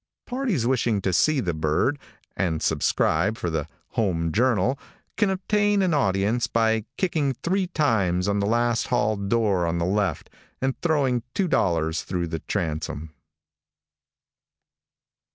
Parties wishing to see the bird, and subscribe for the Home Journal can obtain an audience by kicking three times on the last hall door on the left and throwing two dollars through the transom.